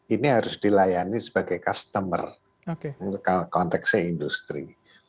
ini harus dilayani sebagai customer konteksnya industri